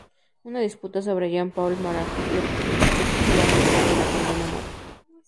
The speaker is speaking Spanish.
Una disputa sobre Jean-Paul Marat le supuso el arresto y la condena a muerte.